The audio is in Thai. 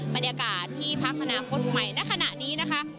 บรรยากาศที่พักอนาคตใหม่ณขณะนี้นะคะ